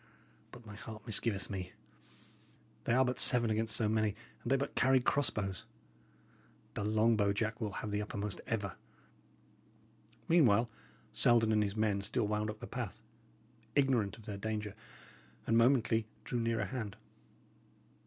But my heart misgiveth me; they are but seven against so many, and they but carry cross bows. The long bow, Jack, will have the uppermost ever." Meanwhile, Selden and his men still wound up the path, ignorant of their danger, and momently drew nearer hand.